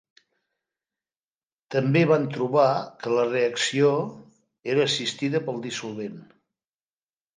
També van trobar que la reacció era assistida pel dissolvent.